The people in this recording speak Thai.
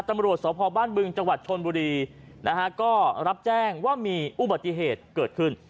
ตำรวจสพบ้านบึงจังหวัดชนบุรีนะฮะก็รับแจ้งว่ามีอุบัติเหตุเกิดขึ้น